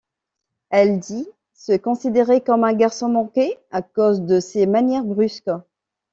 Elle dit se considérer comme un garçon manqué à cause de ses manières brusques.